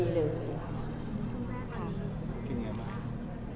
คุณแม่กินยังไงบ้าง